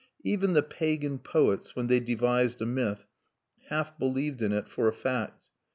Even the pagan poets, when they devised a myth, half believed in it for a fact.